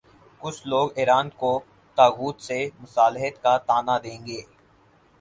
کچھ لوگ ایران کو طاغوت سے مصالحت کا طعنہ دیں گے۔